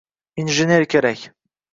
Injener kerak